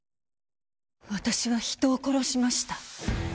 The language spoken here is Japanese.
私は人を殺しました。